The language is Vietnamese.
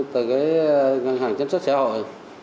từ cái ngân hàng chính sách xã hội